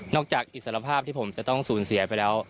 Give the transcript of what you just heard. จากอิสรภาพที่ผมจะต้องสูญเสียไปแล้ว